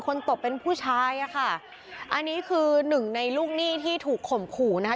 ตบเป็นผู้ชายอ่ะค่ะอันนี้คือหนึ่งในลูกหนี้ที่ถูกข่มขู่นะคะ